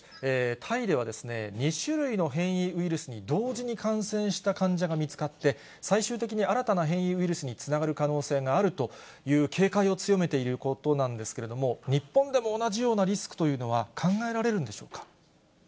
タイでは２種類の変異ウイルスに同時に感染した患者が見つかって、最終的に新たな変異ウイルスにつながる可能性があるという警戒を強めているということなんですけれども、日本でも同じようなリスクというのは、考えられるんでしょうか。